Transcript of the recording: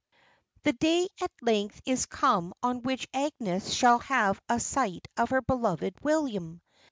The day at length is come on which Agnes shall have a sight of her beloved William!